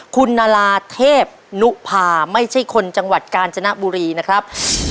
คุณนาราเทพนุภาไม่ใช่คนจังหวัดกาญจนบุรีนะครับ